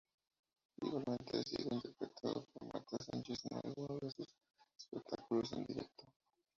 Igualmente ha sido interpretado por Marta Sánchez en alguno de sus espectáculos en directo.